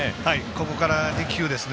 ここから２球ですね。